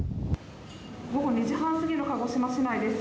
午後２時半過ぎの鹿児島市内です。